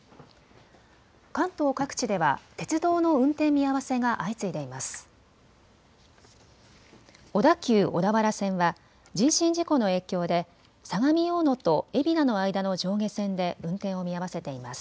関東各地では鉄道の運転見合わせが相次いでいます。